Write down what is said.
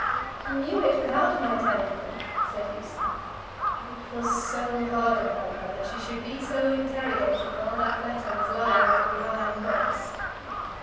"He knew it without my telling him," said Lucy. It was so hard upon her that she should be so interrogated while that letter was lying in the iron box!